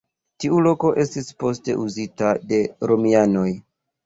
Tiu loko estis poste uzita de romianoj.